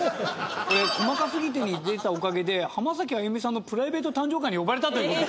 『細かすぎて』に出たおかげで浜崎あゆみさんのプライベート誕生会に呼ばれたということです。